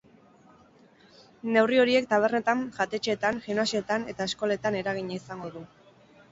Neurri horiek tabernetan, jatetxeetan, gimnasioetan eta eskoletan eragina izango du.